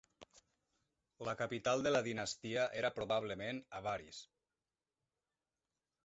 La capital de la dinastia era probablement Avaris.